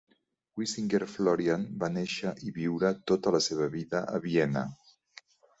Wisinger-Florian va néixer i viure tota la seva vida a Vienna.